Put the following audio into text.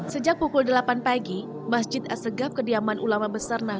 sejak pukul delapan pagi masjid as segaf kediaman ulama besernah